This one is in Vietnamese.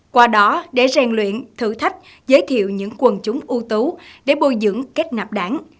qua đó để rèn luyện thử thách giới thiệu những quần chúng ưu tú để bồi dưỡng kết nạp đảng